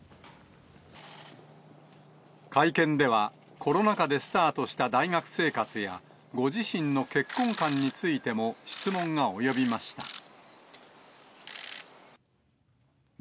会見では、コロナ禍でスタートした大学生活や、ご自身の結婚観についても質問が及びました。